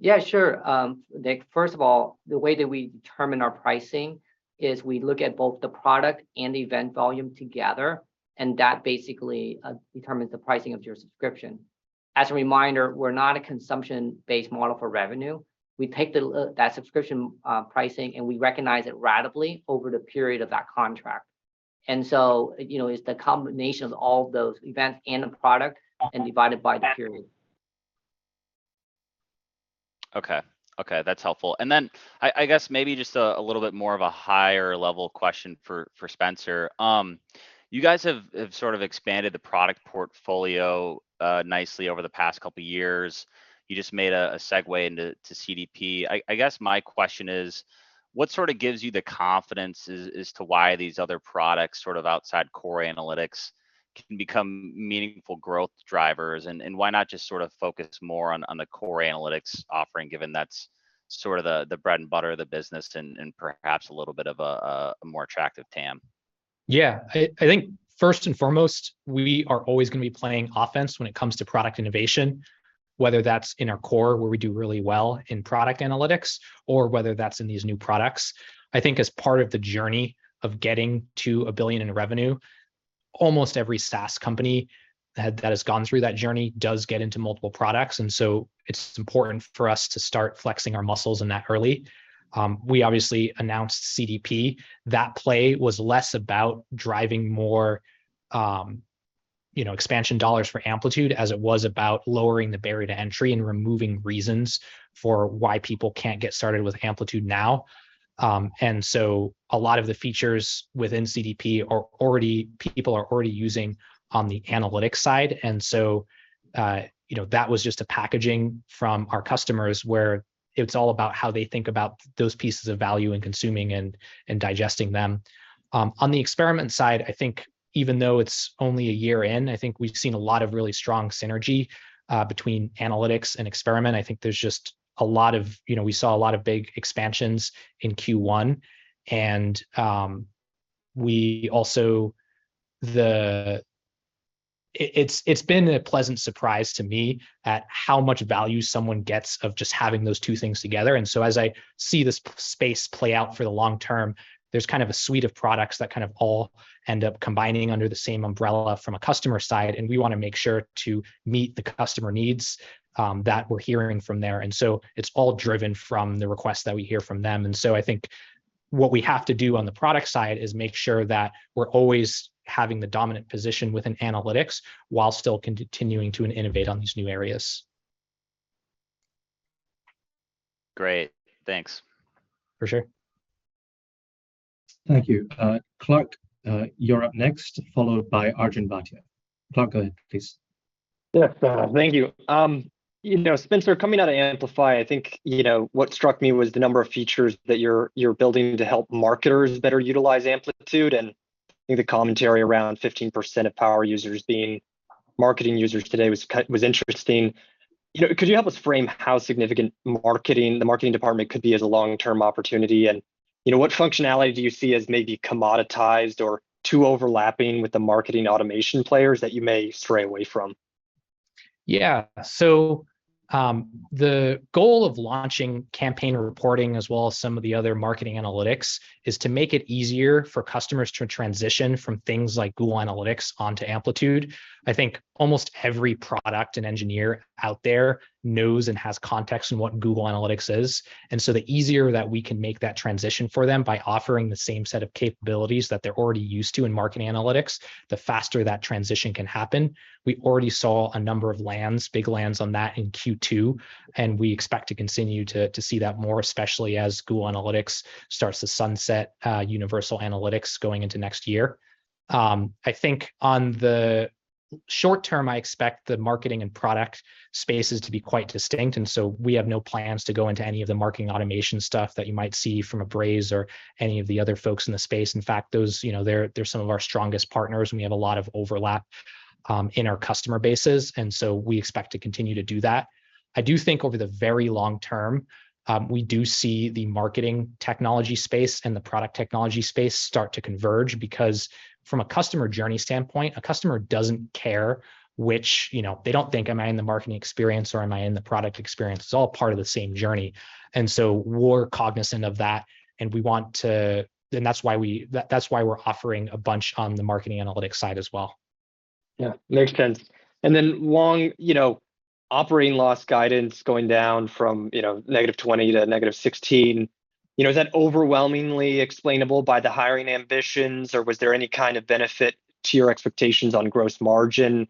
Yeah, sure. Nick, first of all, the way that we determine our pricing is we look at both the product and the event volume together, and that basically determines the pricing of your subscription. As a reminder, we're not a consumption-based model for revenue. We take that subscription pricing, and we recognize it ratably over the period of that contract. You know, it's the combination of all those events and the product and divided by the period. Okay, that's helpful. Then I guess maybe just a little bit more of a higher level question for Spenser. You guys have sort of expanded the product portfolio nicely over the past couple years. You just made a segue into CDP. I guess my question is, what sort of gives you the confidence as to why these other products sort of outside core analytics can become meaningful growth drivers? Why not just sort of focus more on the core analytics offering, given that's sort of the bread and butter of the business and perhaps a little bit of a more attractive TAM? Yeah. I think first and foremost, we are always gonna be playing offense when it comes to product innovation, whether that's in our core where we do really well in product analytics or whether that's in these new products. I think as part of the journey of getting to $1 billion in revenue, almost every SaaS company that has gone through that journey does get into multiple products. It's important for us to start flexing our muscles in that early. We obviously announced CDP. That play was less about driving more expansion dollars for Amplitude as it was about lowering the barrier to entry and removing reasons for why people can't get started with Amplitude now. A lot of the features within CDP, people are already using on the analytics side. You know, that was just a packaging from our customers where it's all about how they think about those pieces of value and consuming and digesting them. On the Experiment side, I think even though it's only a year in, I think we've seen a lot of really strong synergy between Analytics and Experiment. I think there's just a lot of, you know, we saw a lot of big expansions in Q1. It's been a pleasant surprise to me at how much value someone gets out of just having those two things together. As I see this space play out for the long term, there's kind of a suite of products that kind of all end up combining under the same umbrella from a customer side, and we wanna make sure to meet the customer needs that we're hearing from there. It's all driven from the requests that we hear from them. What we have to do on the product side is make sure that we're always having the dominant position within analytics while still continuing to innovate on these new areas. Great, thanks. For sure. Thank you. Clarke, you're up next, followed by Arjun Bhatia. Clarke, go ahead please. Yes, thank you. You know, Spenser, coming out of Amplify, I think, you know, what struck me was the number of features that you're building to help marketers better utilize Amplitude, and I think the commentary around 15% of power users being marketing users today was interesting. You know, could you help us frame how significant marketing, the marketing department could be as a long-term opportunity? You know, what functionality do you see as maybe commoditized or too overlapping with the marketing automation players that you may stray away from? Yeah, the goal of launching campaign reporting as well as some of the other marketing analytics is to make it easier for customers to transition from things like Google Analytics onto Amplitude. I think almost every product and engineer out there knows and has context in what Google Analytics is, and the easier that we can make that transition for them by offering the same set of capabilities that they're already used to in marketing analytics, the faster that transition can happen. We already saw a number of wins, big wins on that in Q2, and we expect to continue to see that more, especially as Google Analytics starts to sunset Universal Analytics going into next year. I think on the short-term, I expect the marketing and product spaces to be quite distinct, and so we have no plans to go into any of the marketing automation stuff that you might see from Braze or any of the other folks in the space. In fact, those, you know, they're some of our strongest partners, and we have a lot of overlap in our customer bases, and so we expect to continue to do that. I do think over the very long term, we do see the marketing technology space and the product technology space start to converge because from a customer journey standpoint, a customer doesn't care which, you know, they don't think, am I in the marketing experience or am I in the product experience? It's all part of the same journey, and so we're cognizant of that, and we want to. That's why we're offering a bunch on the marketing analytics side as well. Yeah, makes sense. Long, you know, operating loss guidance going down from, you know, negative $20 to negative $16, you know, is that overwhelmingly explainable by the hiring ambitions or was there any kind of benefit to your expectations on gross margin?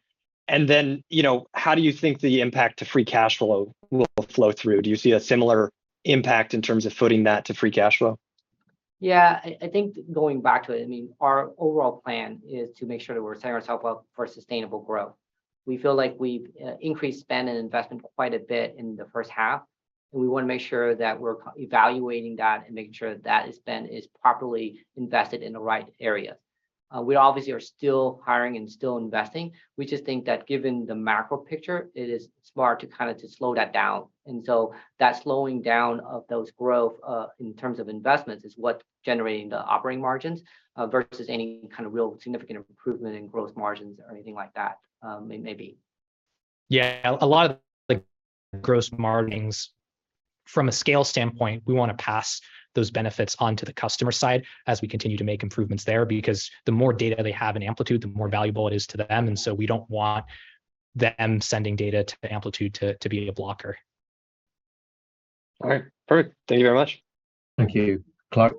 You know, how do you think the impact to free cash flow will flow through? Do you see a similar impact in terms of footing that to free cash flow? Yeah, I think going back to it, I mean, our overall plan is to make sure that we're setting ourselves up for sustainable growth. We feel like we've increased spend and investment quite a bit in the first half, and we wanna make sure that we're evaluating that and making sure that spend is properly invested in the right areas. We obviously are still hiring and still investing. We just think that given the macro picture, it is smart to kind of slow that down. That slowing down of those growth investments is what is generating the operating margins versus any kind of real significant improvement in gross margins or anything like that, maybe. Yeah, a lot of the gross margins from a scale standpoint, we wanna pass those benefits on to the customer side as we continue to make improvements there because the more data they have in Amplitude, the more valuable it is to them, and so we don't want them sending data to Amplitude to be a blocker. All right. Perfect. Thank you very much. Thank you, Clarke.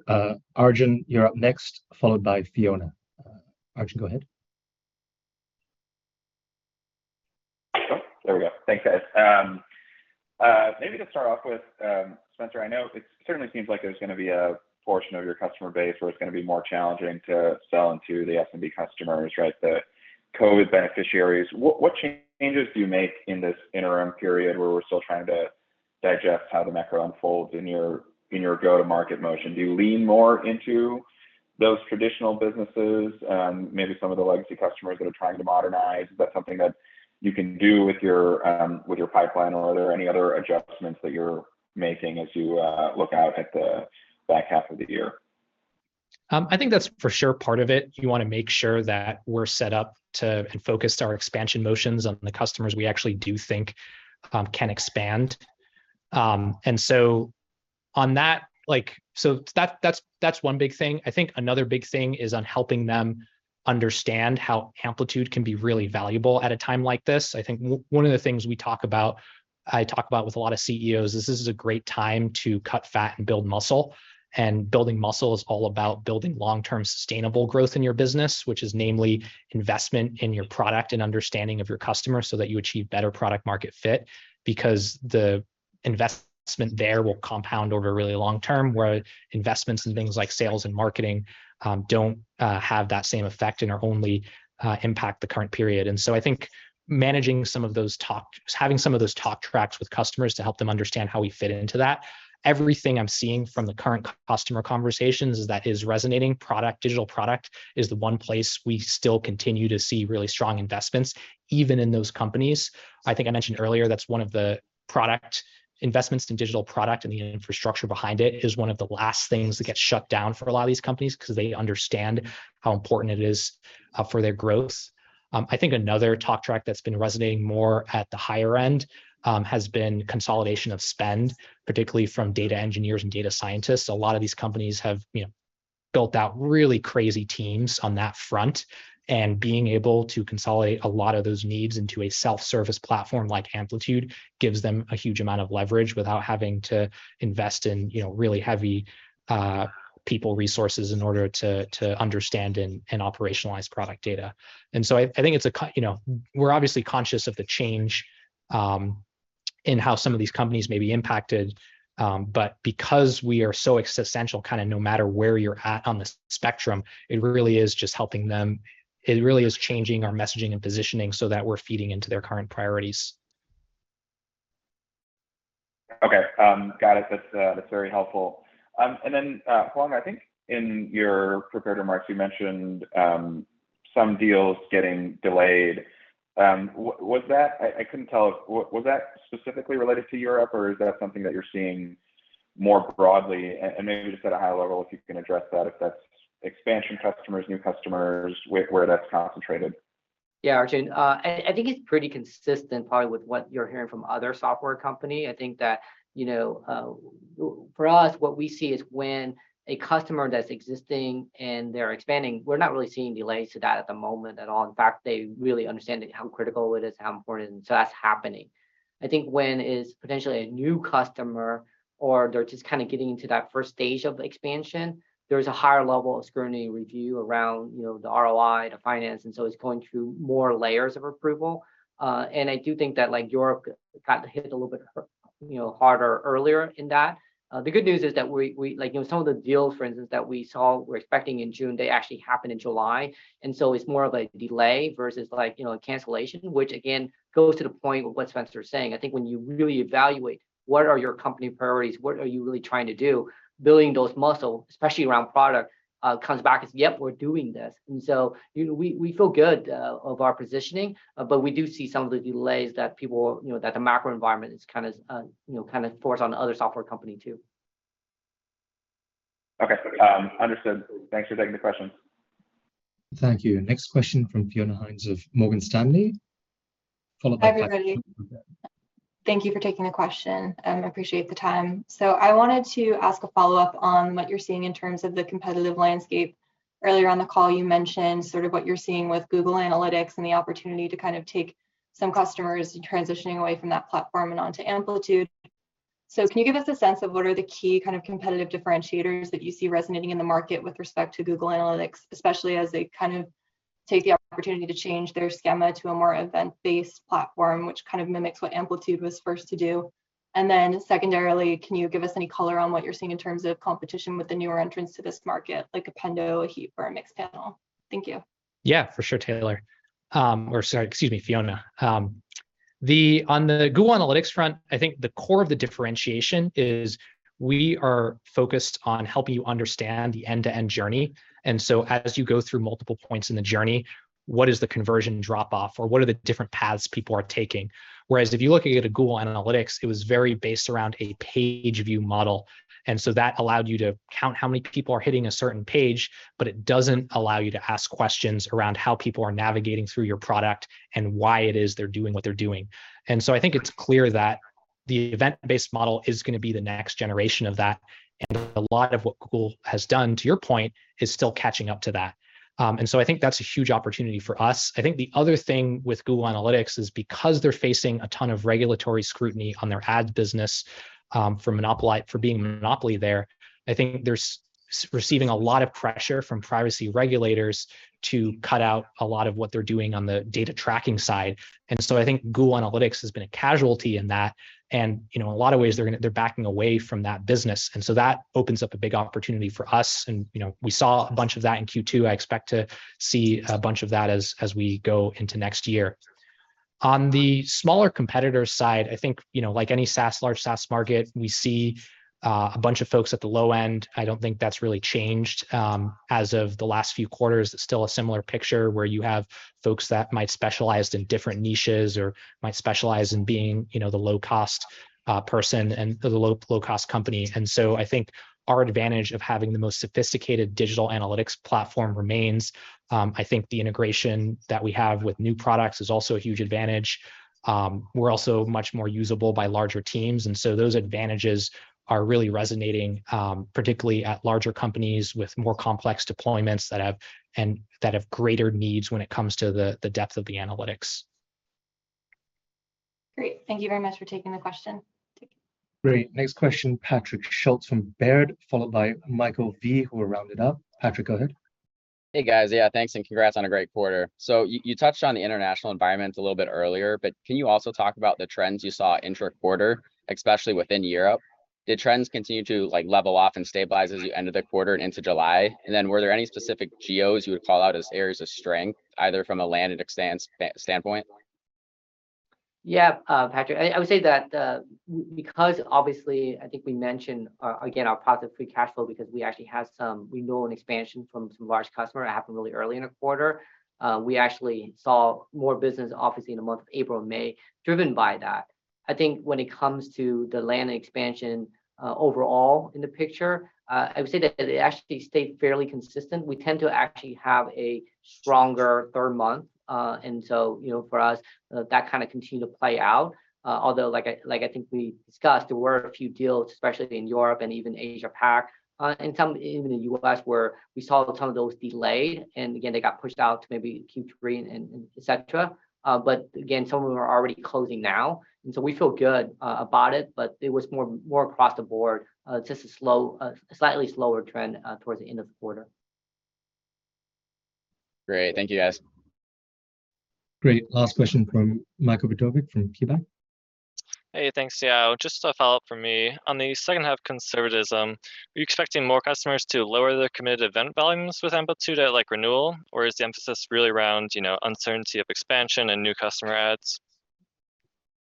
Arjun, you're up next, followed by Fiona. Arjun, go ahead. Oh, there we go. Thanks, guys. Maybe to start off with, Spenser, I know it certainly seems like there's gonna be a portion of your customer base where it's gonna be more challenging to sell into the SMB customers, right? The COVID beneficiaries. What changes do you make in this interim period where we're still trying to digest how the macro unfolds in your go-to-market motion? Do you lean more into those traditional businesses, maybe some of the legacy customers that are trying to modernize? Is that something that you can do with your pipeline, or are there any other adjustments that you're making as you look out at the back half of the year? I think that's for sure part of it. You wanna make sure that we're set up to and focused our expansion motions on the customers we actually do think can expand. On that, like, that's one big thing. I think another big thing is on helping them understand how Amplitude can be really valuable at a time like this. I think one of the things we talk about, I talk about with a lot of CEOs is this is a great time to cut fat and build muscle, and building muscle is all about building long-term sustainable growth in your business, which is namely investment in your product and understanding of your customer so that you achieve better product market fit because the investment there will compound over a really long term, where investments in things like sales and marketing don't have that same effect and are only impact the current period. I think managing some of those talk tracks with customers to help them understand how we fit into that. Everything I'm seeing from the current customer conversations is that it is resonating. Product, digital product is the one place we still continue to see really strong investments even in those companies. I think I mentioned earlier that's one of the product investments in digital product and the infrastructure behind it is one of the last things that gets shut down for a lot of these companies 'cause they understand how important it is for their growth. I think another talk track that's been resonating more at the higher end has been consolidation of spend, particularly from data engineers and data scientists. A lot of these companies have, you know, built out really crazy teams on that front, and being able to consolidate a lot of those needs into a self-service platform like Amplitude gives them a huge amount of leverage without having to invest in, you know, really heavy people resources in order to understand and operationalize product data. I think it's, you know, we're obviously conscious of the change in how some of these companies may be impacted. Because we are so essential kinda no matter where you're at on the spectrum, it really is just helping them. It really is changing our messaging and positioning so that we're feeding into their current priorities. Okay. Got it. That's very helpful. Hoang, I think in your prepared remarks you mentioned some deals getting delayed. I couldn't tell. Was that specifically related to Europe, or is that something that you're seeing more broadly? Maybe just at a high level if you can address that, if that's expansion customers, new customers, where that's concentrated. Yeah, Arjun. I think it's pretty consistent probably with what you're hearing from other software company. I think that, you know, for us, what we see is when a customer that's existing and they're expanding, we're not really seeing delays to that at the moment at all. In fact, they really understand how critical it is, how important. That's happening. I think when it's potentially a new customer or they're just kinda getting to that first stage of expansion, there's a higher level of scrutiny review around, you know, the ROI, the finance, and so it's going through more layers of approval. I do think that, like, Europe got hit a little bit harder earlier in that. The good news is that we. Like, you know, some of the deals, for instance, that we saw were expecting in June, they actually happened in July. It's more of a delay versus like, you know, a cancellation, which again goes to the point of what Spenser's saying. I think when you really evaluate what are your company priorities, what are you really trying to do, building those muscle, especially around product, comes back as, yep, we're doing this. You know, we feel good of our positioning, but we do see some of the delays that people, you know, that the macro environment is kinda, you know, kinda forced on the other software company too. Okay. Understood. Thanks for taking the question. Thank you. Next question from Fiona Ng of Morgan Stanley, followed by. Hi, everybody. Thank you for taking the question, and I appreciate the time. I wanted to ask a follow-up on what you're seeing in terms of the competitive landscape. Earlier on the call you mentioned sort of what you're seeing with Google Analytics and the opportunity to kind of take some customers who're transitioning away from that platform and onto Amplitude. Can you give us a sense of what are the key kind of competitive differentiators that you see resonating in the market with respect to Google Analytics? Especially as they kind of take the opportunity to change their schema to a more event-based platform, which kind of mimics what Amplitude was first to do. Secondarily, can you give us any color on what you're seeing in terms of competition with the newer entrants to this market, like a Pendo, a Heap, or a Mixpanel? Thank you. Yeah, for sure, Taylor. Or sorry, excuse me, Fiona. On the Google Analytics front, I think the core of the differentiation is we are focused on helping you understand the end-to-end journey. As you go through multiple points in the journey, what is the conversion drop off, or what are the different paths people are taking? Whereas if you're looking at a Google Analytics, it was very based around a page view model. That allowed you to count how many people are hitting a certain page, but it doesn't allow you to ask questions around how people are navigating through your product and why it is they're doing what they're doing. I think it's clear that the event-based model is gonna be the next generation of that, and a lot of what Google has done, to your point, is still catching up to that. I think that's a huge opportunity for us. I think the other thing with Google Analytics is because they're facing a ton of regulatory scrutiny on their ad business, for monopoly, for being a monopoly there, I think they're receiving a lot of pressure from privacy regulators to cut out a lot of what they're doing on the data tracking side. I think Google Analytics has been a casualty in that, and, you know, in a lot of ways, they're backing away from that business. That opens up a big opportunity for us and, you know, we saw a bunch of that in Q2. I expect to see a bunch of that as we go into next year. On the smaller competitor side, I think, you know, like any SaaS, large SaaS market, we see a bunch of folks at the low end. I don't think that's really changed as of the last few quarters. It's still a similar picture, where you have folks that might specialize in different niches or might specialize in being, you know, the low-cost person and the low-cost company. I think our advantage of having the most sophisticated digital analytics platform remains. I think the integration that we have with new products is also a huge advantage. We're also much more usable by larger teams, and so those advantages are really resonating, particularly at larger companies with more complex deployments that have greater needs when it comes to the depth of the analytics. Great. Thank you very much for taking the question. Take care. Great. Next question, Patrick Schulz from Baird, followed by Michael Vidovic, who will round it up. Patrick, go ahead. Hey, guys. Yeah, thanks, and congrats on a great quarter. You touched on the international environment a little bit earlier, but can you also talk about the trends you saw intra-quarter, especially within Europe? Did trends continue to, like, level off and stabilize as you ended the quarter and into July? Were there any specific geos you would call out as areas of strength, either from a land-and-expand standpoint? Yeah, Patrick. I would say that because obviously I think we mentioned again our positive free cash flow because we actually had some, you know an expansion from some large customer. It happened really early in the quarter. We actually saw more business obviously in the month of April and May driven by that. I think when it comes to the land expansion overall in the picture, I would say that it actually stayed fairly consistent. We tend to actually have a stronger third month. You know, for us, that kinda continued to play out. Although, like I think we discussed, there were a few deals, especially in Europe and even Asia Pac, and some even in the US, where we saw a ton of those delayed, and again, they got pushed out to maybe Q3 and et cetera. But again, some of them are already closing now. We feel good about it, but it was more across the board. It's just a slightly slower trend towards the end of the quarter. Great. Thank you, guys. Great. Last question from Michael Vidovic from KeyBanc. Hey, thanks. Yeah, just a follow-up from me. On the second half conservatism, are you expecting more customers to lower their committed event volumes with Amplitude at, like, renewal? Or is the emphasis really around, you know, uncertainty of expansion and new customer adds?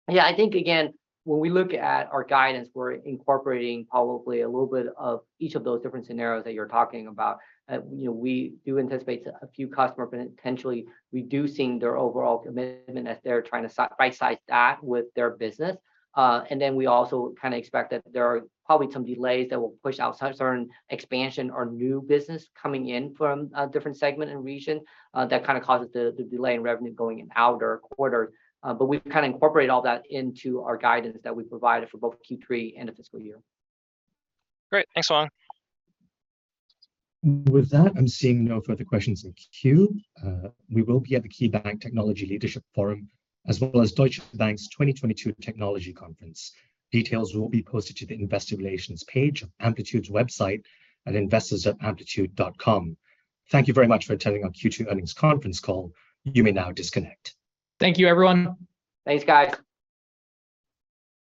Yeah, I think again, when we look at our guidance, we're incorporating probably a little bit of each of those different scenarios that you're talking about. You know, we do anticipate a few customers potentially reducing their overall commitment as they're trying to rightsize that with their business. Then we also kinda expect that there are probably some delays that will push out certain expansion or new business coming in from a different segment and region, that kinda causes the delay in revenue going in our quarter. We've kinda incorporated all that into our guidance that we provided for both Q3 and the fiscal year. Great. Thanks, Hoang. With that, I'm seeing no further questions in queue. We will be at the KeyBank Technology Leadership Forum, as well as Deutsche Bank's 2022 Technology Conference. Details will be posted to the Investor Relations page on Amplitude's website at investors.amplitude.com. Thank you very much for attending our Q2 earnings conference call. You may now disconnect. Thank you, everyone. Thanks, guys.